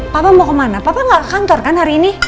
papa mau kemana papa gak kantor kan hari ini